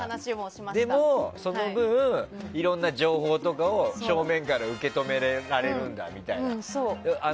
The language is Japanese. でもその分、いろんな情報とかを正面から受け止められるんだみたいな。